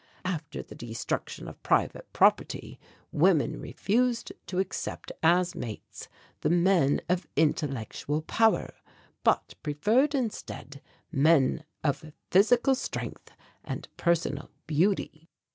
After the destruction of private property women refused to accept as mates the men of intellectual power, but preferred instead men of physical strength and personal beauty.